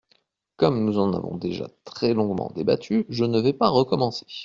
Comme nous en avons déjà très longuement débattu, je ne vais pas recommencer.